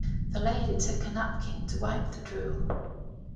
The old lady took her napkin to wipe the drool.